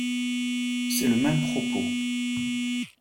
C’est le même propos.